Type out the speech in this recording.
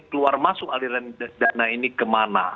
keluar masuk aliran dana ini kemana